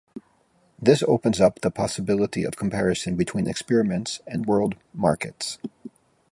This opens up the possibility of comparison between experiments and world markets.